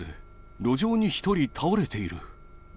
路上に１人倒れている。